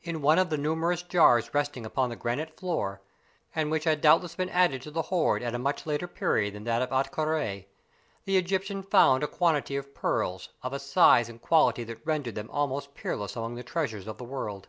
In one of the numerous jars resting upon the granite floor, and which had doubtless been added to the hoard at a much later period than that of Ahtka Rā, the Egyptian found a quantity of pearls of a size and quality that rendered them almost peerless among the treasures of the world.